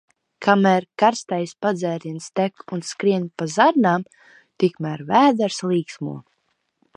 Kamēr karstais padzēriens tek un skrien pa zarnām, tikmēr vēders līksmo.